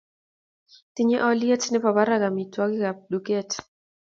tinyei olye nebo barak omitwogikab duket